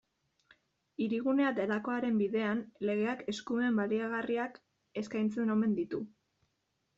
Hirigunea delakoaren bidean, legeak eskumen baliagarriak eskaintzen omen ditu.